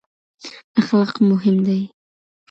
اخلاق مهم دي.